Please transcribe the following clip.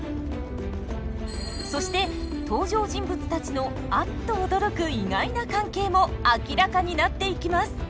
そして登場人物たちのあっと驚く意外な関係も明らかになっていきます。